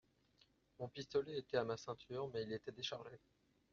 Mon pistolet était à ma ceinture, mais il était déchargé.